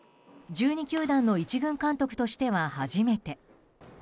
１２球団の１軍監督としては初めて。